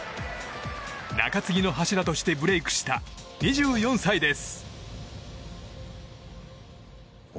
中継ぎの柱としてブレークした２４歳です。